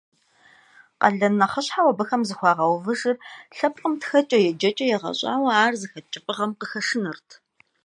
Къалэн нэхъыщхьэу абыхэм зыхуагъэувыжыр лъэпкъым тхэкӏэ, еджэкӏэ егъэщӏауэ ар зыхэт кӏыфӏыгъэм къыхэшынырт.